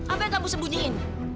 apa yang kamu sembunyiin